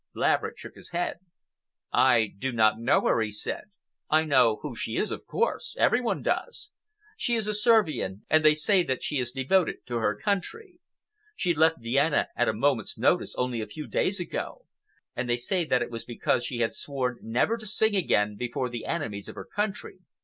Laverick shook his head. "I do not know her," he said. "I know who she is, of course,—every one does. She is a Servian, and they say that she is devoted to her country. She left Vienna at a moment's notice, only a few days ago, and they say that it was because she had sworn never to sing again before the enemies of her country.